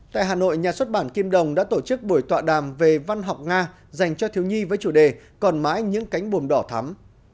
tại hà nội nhà xuất bản kim đồng đã tổ chức buổi tọa đàm về văn học nga dành cho thiếu nhi với chủ đề còn mãi những cánh bùm đỏ thắm